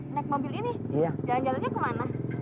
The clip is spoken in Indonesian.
naik mobil ini jalan jalannya kemana